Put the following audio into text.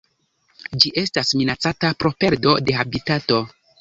Ĝi estas minacata pro perdo de habitato.